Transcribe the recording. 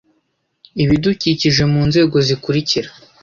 ibidukikije mu nzego zikurikira